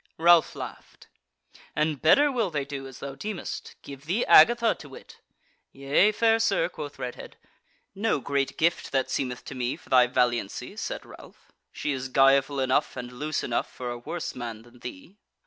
Ralph laughed: "And better will they do, as thou deemest; give thee Agatha, to wit?" "Yea, fair sir," quoth Redhead. "No great gift, that seemeth to me, for thy valiancy," said Ralph; "she is guileful enough and loose enough for a worse man than thee."